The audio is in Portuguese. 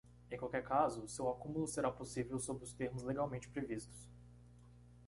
Em qualquer caso, o seu acúmulo será possível sob os termos legalmente previstos.